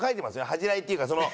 恥じらいっていうかその。